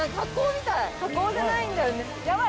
加工じゃないんだよね？